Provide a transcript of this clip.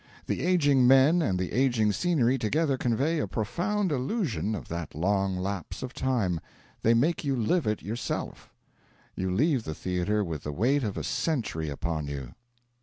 The ageing men and the ageing scenery together convey a profound illusion of that long lapse of time: they make you live it yourself! You leave the theatre with the weight of a century upon you.